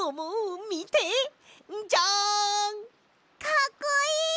かっこいい！